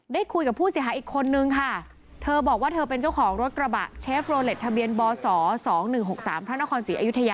ได้คุยกับผู้เสียหายอีกคนนึงค่ะเธอบอกว่าเธอเป็นเจ้าของรถกระบะเชฟโลเล็ตทะเบียนบส๒๑๖๓พระนครศรีอยุธยา